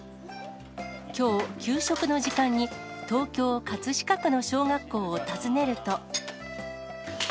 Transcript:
きょう、給食の時間に東京・葛飾区の小学校を訪ねると。